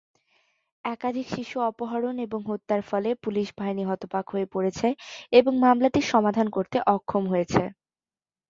একাধিক শিশু অপহরণ এবং হত্যার ফলে পুলিশ বাহিনী হতবাক হয়ে পড়েছে এবং মামলাটি সমাধান করতে অক্ষম হয়েছে।